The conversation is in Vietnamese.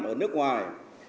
ở nước ngoài